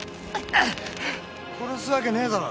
殺すわけねえだろ。